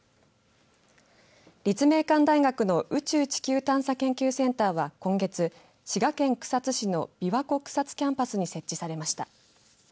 立命館大学の宇宙地球調査研究センターは今月滋賀県草津市のびわこ・くさつキャンパスに設置されました。